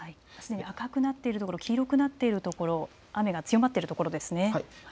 赤くなっているところ黄色くなっているところ雨が強まっているところです。